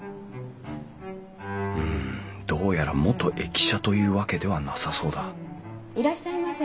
うんどうやら元駅舎というわけではなさそうだいらっしゃいませ。